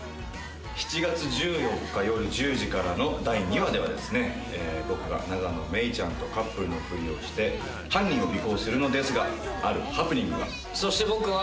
７月１４日、夜１０時からの第２話では、僕が永野芽郁ちゃんとカップルのふりをして犯人を尾行するのですが、あるハプニングが。